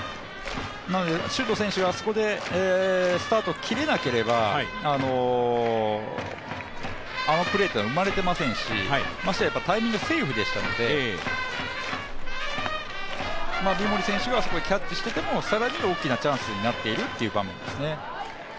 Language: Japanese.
周東選手があそこでスタートを切れなければ、あのプレーっていうのは生まれてませんし、ましてやタイミングはセーフでしたので、三森選手がキャッチしてても更に大きなチャンスになっているという場面ですね。